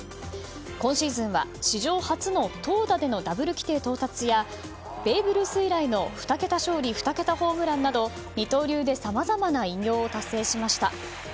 今シーズンは、史上初の投打でのダブル規定到達やベーブ・ルース以来の２桁勝利２桁ホームランなど二刀流でさまざまな偉業を達成しました。